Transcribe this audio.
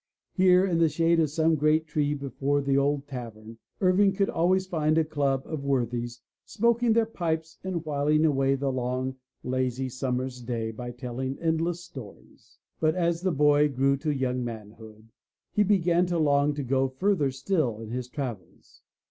Here in the shade of some great tree before the old tavern, Irving could always find a club of worthies smoking their pipes and whiling away the long, lazy summer's day by telling endless stories. But as the boy grew to young manhood, he began to long to go further still in his travels.